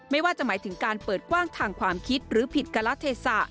ไม่ว่าจะหมายถึงการเปิดกว้างทางความคิดหรือผิดกะละเทศะ